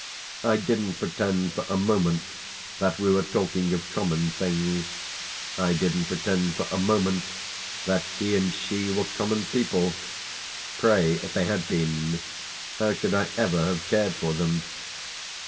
I didn't pretend for a moment that we were talking of common things; I didn't pretend for a moment that he and she were common people. Pray, if they had been, how should I ever have cared for them?